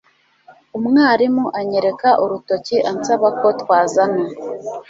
umwarimu anyereka urutoki ansaba ko twazana